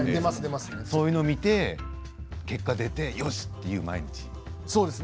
そういうのがあって見て結果が出て、よしという毎日。